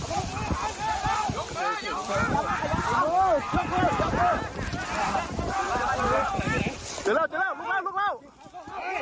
เอาออกมาเอาออกไป